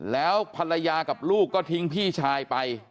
แล้วภรรยากับลูกก็ทิ้งพี่ชายไป